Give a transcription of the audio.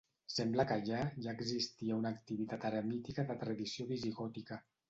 Sembla que allà ja existia una activitat eremítica de tradició visigòtica.